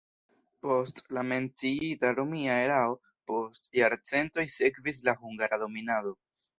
Post la menciita romia erao post jarcentoj sekvis la hungara dominado.